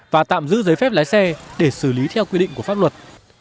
và tạm giữ giấy phép lái xe để xử lý theo quy định của pháp luật